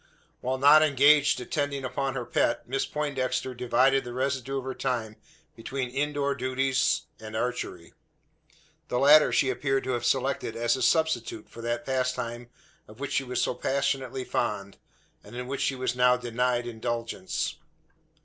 While not engaged attending upon her pet, Miss Poindexter divided the residue of her time between indoor duties and archery. The latter she appeared to have selected as the substitute for that pastime of which she was so passionately fond, and in which she was now denied indulgence.